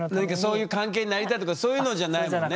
そういう関係になりたいとかそういうのじゃないもんね。